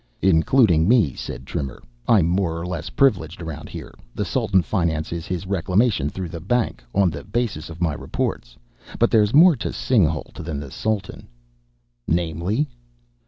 "Including me," said Trimmer. "I'm more or less privileged around here. The Sultan finances his reclamation through the bank, on the basis of my reports. But there's more to Singhalût than the Sultan." "Namely?"